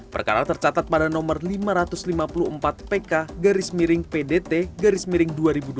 perkara tercatat pada nomor lima ratus lima puluh empat pk garis miring pdt garis miring dua ribu dua puluh